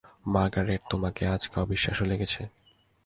Margaret, তোমাকে আজকে অবিশ্বাস্য লেগেছে।